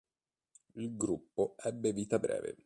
Il gruppo ebbe vita breve.